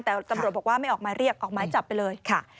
แต่ตำรวจบอกว่าไม่ออกมาเรียกออกไม้จับไปเลยค่ะ